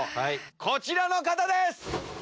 こちらの方です！